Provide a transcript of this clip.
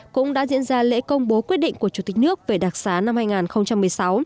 cũng đã diễn ra lễ công bố quyết định của chủ tịch nước về đặc xá năm hai nghìn một mươi sáu